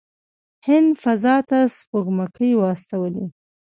هند فضا ته سپوږمکۍ واستولې.